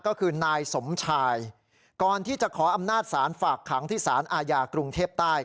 ก็คือนายสมชายก่อนที่จะขออำนาจศาลฝากขังที่สารอาญากรุงเทพใต้